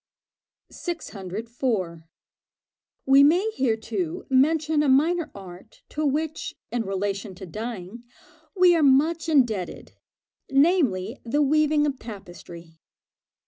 604. We may here, too, mention a minor art, to which, in relation to dyeing, we are much indebted, namely, the weaving of tapestry.